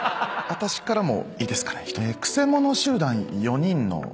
私からもいいですかね。